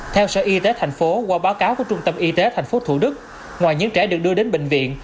theo sở y tế tp hcm qua báo cáo của trung tâm y tế tp hcm ngoài những trẻ được đưa đến bệnh viện